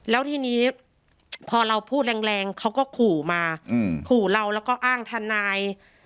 แล้วทีนี้พอเราพูดแรงเขาก็ขู่มาขู่เราแล้วก็อ้างทนาย